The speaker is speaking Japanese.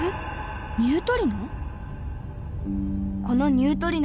ニュートリノ？